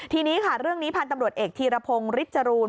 ทีนี้ค่ะเรื่องนี้พันธุ์ตำรวจเอกธีรพงศ์ฤทธรูน